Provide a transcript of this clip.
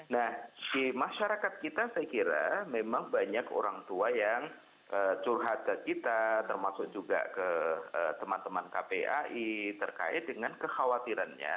nah di masyarakat kita saya kira memang banyak orang tua yang curhat ke kita termasuk juga ke teman teman kpai terkait dengan kekhawatirannya